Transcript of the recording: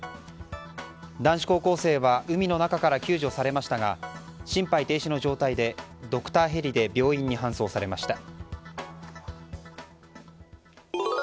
男子高校生は海の中から救助されましたが心配停止の状態でドクターヘリで病院に搬送されました。